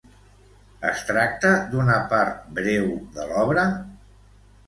Es tracta d'una part breu de l'obra?